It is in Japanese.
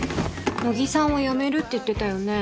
野木さんはやめるって言ってたよね？